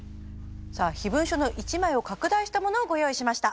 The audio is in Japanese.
さあ秘文書の１枚を拡大したものをご用意しました。